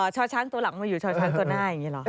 ช่อช้างตัวหลังมาอยู่ช่อช้างตัวหน้าอย่างนี้เหรอ